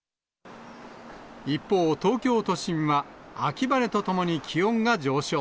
一方、東京都心は秋晴れとともに気温が上昇。